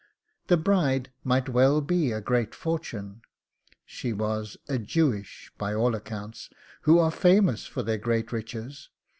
The bride might well be a great fortune she was a JEWISH by all accounts, who are famous for their great riches.